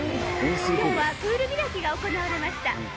きょうはプール開きが行われました。